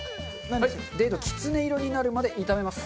キツネ色になるまで炒めます。